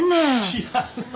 知らんわ。